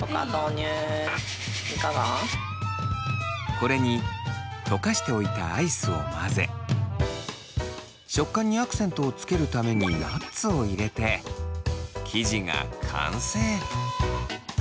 これに溶かしておいたアイスを混ぜ食感にアクセントをつけるためにナッツを入れて生地が完成。